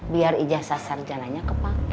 biar ijazah sarjananya kepake